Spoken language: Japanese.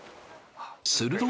すると。